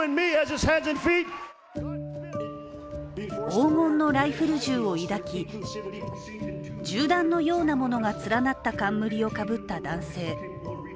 黄金のライフル銃を抱き、銃弾のようなものが連なった冠をかぶった男性。